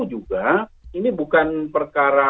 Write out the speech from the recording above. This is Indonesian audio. juga ini bukan perkara